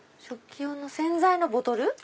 食器用の洗剤のボトル？